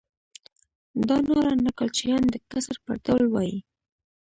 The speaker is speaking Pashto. دا ناره نکل چیان د کسر پر ډول وایي.